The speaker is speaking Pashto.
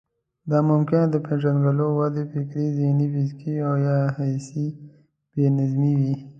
دا ممکن د پېژندلو، ودې، فکري، ذهني، فزيکي او يا حسي بې نظمي وي.